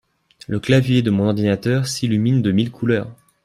Le clavier de mon ordinateur s'illumine de mille couleurs